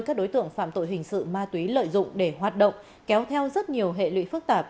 các đối tượng phạm tội hình sự ma túy lợi dụng để hoạt động kéo theo rất nhiều hệ lụy phức tạp